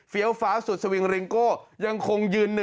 ฟ้าสุดสวิงริงโก้ยังคงยืน๑